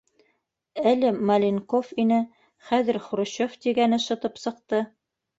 Әле Маленков ине, хәҙер Хрущев тигәне шытып сыҡты.